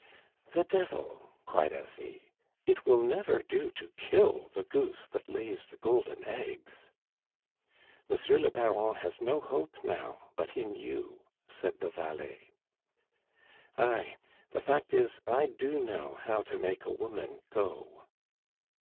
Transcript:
'" "The devil!" cried Asie; "it will never do to kill the goose that lays the golden eggs." "Monsieur le Baron has no hope now but in you," said the valet. "Ay! The fact is, I do know how to make a woman go."